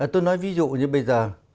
tôi nói ví dụ như bây giờ